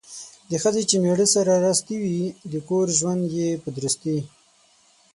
د ښځې چې میړه سره راستي وي ،د کور ژوند یې په درستي